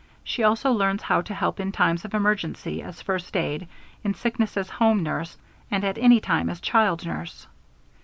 She also learns how to help in times of emergency as first aid, in sickness as home nurse, and at any time as child nurse.